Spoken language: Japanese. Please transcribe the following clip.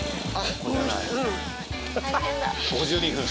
５２分！